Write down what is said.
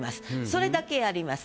それだけやります。